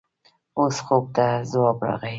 اوس خوب ته ځواب راغی.